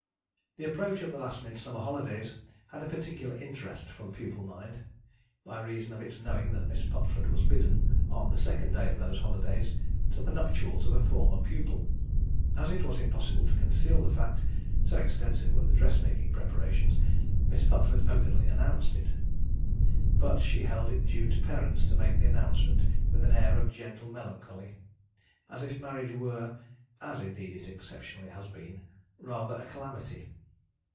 The approach of the last Midsummer holidays had a particular interest for the pupil mind, by reason of its knowing that Miss Pupford was bidden, on the second day of those holidays, to the nuptials of a former pupil. As it was impossible to conceal the fact so extensive were the dress making preparations Miss Pupford openly announced it. But, she held it due to parents to make the announcement with an air of gentle melancholy, as if marriage were (as indeed it exceptionally has been) rather a calamity.